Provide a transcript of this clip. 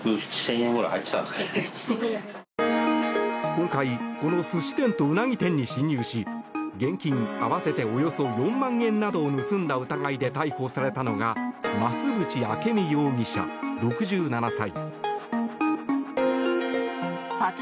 今回、この寿司店とウナギ店に侵入し現金合わせておよそ４万円などを盗んだ疑いで逮捕されたのが増渕明美容疑者、６７歳。